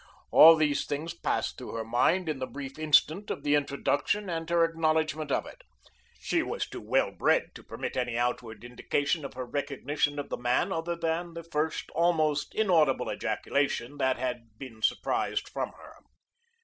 All these things passed through her mind in the brief instant of the introduction and her acknowledgment of it. She was too well bred to permit any outward indication of her recognition of the man other than the first almost inaudible ejaculation that had been surprised from her.